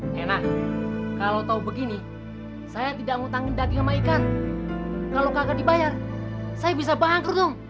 enak kalau tahu begini saya tidak ngutangin daging sama ikan kalau kakak dibayar saya bisa bangkrut dong